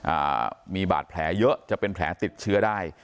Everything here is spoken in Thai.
อ่ามีบาดแผลเยอะจะเป็นแผลติดเชื้อได้